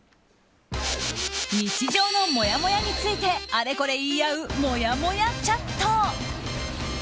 日常のもやもやについてあれこれ言い合うもやもやチャット。